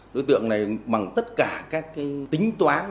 đối tượng này bằng tất cả các tính toán